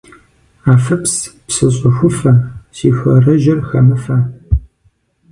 Афыпс, псы щӀыхуфэ, си хуарэжьыр хэмыфэ.